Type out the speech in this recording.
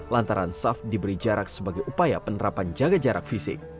lantaran saf diberi jarak sebagai upaya penerapan jaga jarak fisik